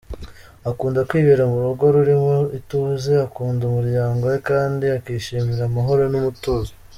Akunda kwibera mu rugo rurimo ituze, akunda umuryango we kandi akishimira amahoro n’umutuzo.